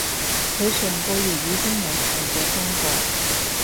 佢上個月已經有提過中國